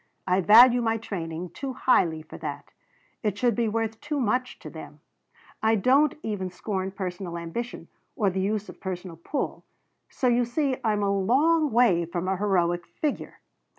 I value my training too highly for that. It should be worth too much to them. I don't even scorn personal ambition, or the use of personal pull, so you see I'm a long way from a heroic figure.